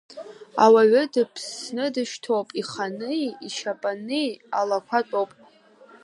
Ауаҩы дыԥсны дышьҭоуп, ихани ишьапани алақәа тәоуп!